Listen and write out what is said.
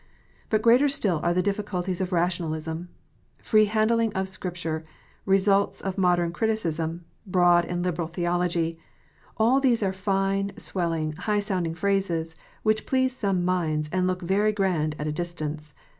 But greater still are the difficulties of Rationalism. Free handling of Scripture, results of modern criticism, broad and liberal theology, all these are fine, swelling, high sounding phrases, which please some minds, and look very grand at a distance.